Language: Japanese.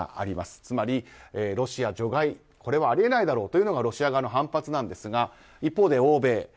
つまり、ロシア除外はあり得ないだろうというのがロシア側の反発なんですが一方で欧米。